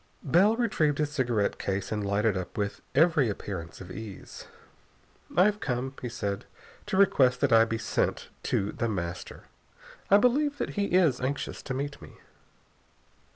Bell retrieved his cigarette case and lighted up with every appearance of ease. "I have come," he said casually, "to request that I be sent to The Master. I believe that he is anxious to meet me."